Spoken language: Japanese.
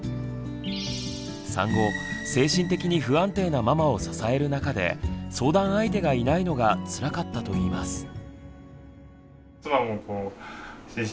産後精神的に不安定なママを支える中で相談相手がいないのがつらかったといいます。